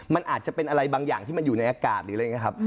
มันอาจจะเป็นอะไรบางอย่างที่มันอยู่ในอากาศ